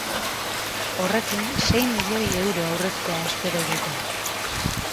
Horrekin sei milioi euro aurreztea espero dute.